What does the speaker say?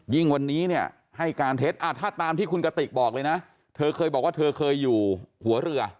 ยิ่งวันนี้เนี่ยให้การเท็จถ้าตามที่คุณกติกบอกเลยนะเธอเคยบอกว่าเธอเคยอยู่หัวเรือ